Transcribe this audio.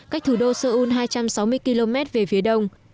cách thủ đô seoul hai trăm sáu mươi km về phía đông